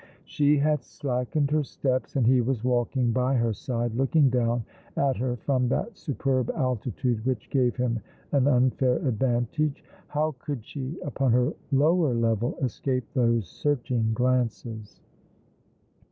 She had slackened her steps, and he was walking by her side, looking down at her from that superb altitude which gave him an unfair advantage. How could she, upon her lower level, escape those searching glances